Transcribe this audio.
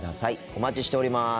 お待ちしております。